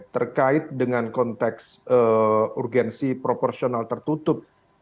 terkait dengan konteks urgensi proporsional tertutup